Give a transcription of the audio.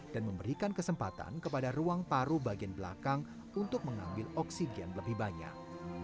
dan memberikan kesempatan kepada ruang paru bagian belakang untuk mengambil oksigen lebih banyak